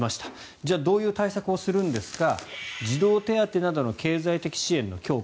じゃあどういう対策をするんですか児童手当などの経済的支援の強化